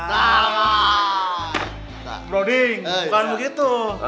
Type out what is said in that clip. broding bukan begitu